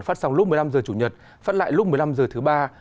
phát sóng lúc một mươi năm h chủ nhật phát lại lúc một mươi năm h thứ ba